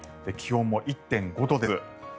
気温も１．５度です。